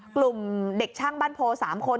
กลุ่มเด็กช่างบ้านโพ๓คน